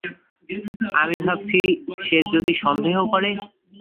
আমি ভাবছি সে যদি সন্দেহ করে।